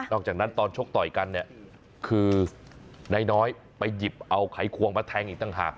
อกจากนั้นตอนชกต่อยกันเนี่ยคือนายน้อยไปหยิบเอาไขควงมาแทงอีกต่างหาก